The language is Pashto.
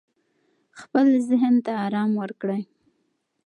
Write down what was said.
خپل ذهن ته آرام ورکړئ.